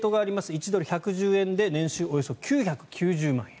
１ドル＝１１０円で年収およそ９９０万円。